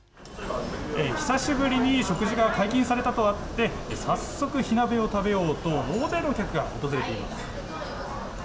久しぶりに食事が解禁されたとあって早速、火鍋を食べようと大勢の客が訪れています。